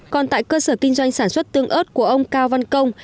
còn tại cơ sở kinh doanh sản xuất tương ớt của ông cao văn công